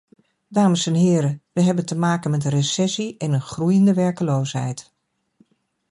Dames en heren, we hebben te maken met een recessie en een groeiende werkloosheid.